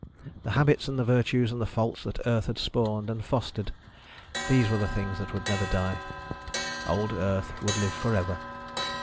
The habits and the virtues and the faults that Earth had spawned and fostered ... these were things that would never die. Old Earth would live forever.